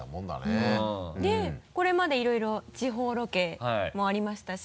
でこれまでいろいろ地方ロケもありましたし。